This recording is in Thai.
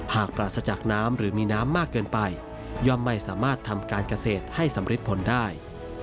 ปราศจากน้ำหรือมีน้ำมากเกินไปย่อมไม่สามารถทำการเกษตรให้สำริดผลได้